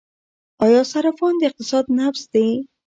آیا صرافان د اقتصاد نبض دي؟